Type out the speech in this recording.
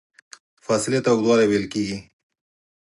فاصلې ته اوږدوالی ویل کېږي.